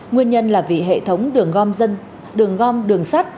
nguyên nhân là vì hệ thống đường gom dân đường gom đường sắt